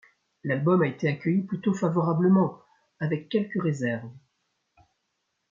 L'album a été accueilli plutôt favorablement, avec quelques réserves.